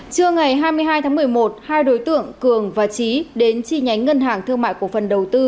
trưa ngày hai mươi hai tháng một mươi một hai đối tượng cường và trí đến chi nhánh ngân hàng thương mại cổ phần đầu tư